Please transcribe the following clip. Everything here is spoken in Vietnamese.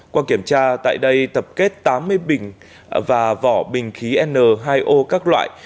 qua kiểm tra tại đây tập kết tám mươi bình và vỏ bình khí n hai o các loại